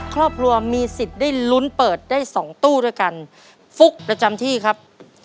ครอบครัวมีสิทธิ์ได้ลุ้นเปิดได้สองตู้ด้วยกันฟุกประจำที่ครับ